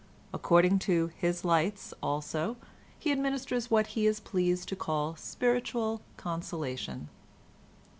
According to his lights also, he administers what he is pleased to call spiritual consolation.